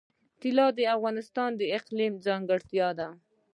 طلا د افغانستان د اقلیم ځانګړتیا ده.